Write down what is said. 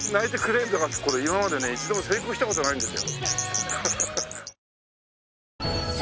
これ今までね一度も成功した事ないんですよ。